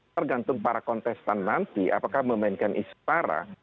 tergantung para kontestan nanti apakah memainkan isi para